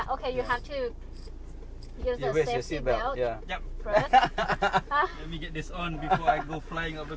โอเคคุณต้องใช้เบลต์ปลอดภัณฑ์